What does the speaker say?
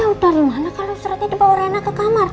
aku tau dari mana kalau suratnya dibawa rena ke kamar